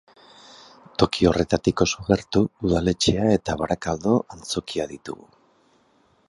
Toki horretatik oso gertu, udaletxea eta Barakaldo Antzokia ditugu.